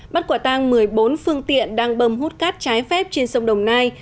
bắt quả tang một mươi bốn phương tiện đang bơm hút cát trái phép trên sông đồng nai